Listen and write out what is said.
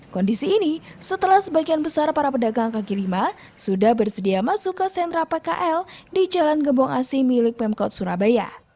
kondisi ini setelah sebagian besar para pedagang kaki lima sudah bersedia masuk ke sentra pkl di jalan gembong asi milik pemkot surabaya